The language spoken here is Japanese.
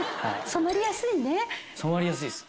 染まりやすいっす。